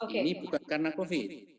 ini bukan karena covid